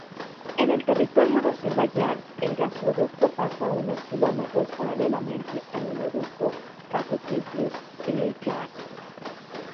En el territorio de Azerbaiyán el gasoducto pasa unos kilómetros paralelamente al oleoducto Baku-Tiflis-Djeyhan.